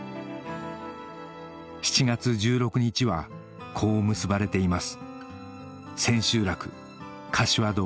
７月１６日はこう結ばれています